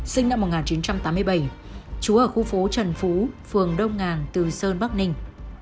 sinh năm một nghìn chín trăm tám mươi bảy chú ở khu phố trần phú phường đông ngàn từ sơn bắc ninh